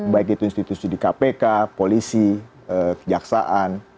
baik itu institusi di kpk polisi kejaksaan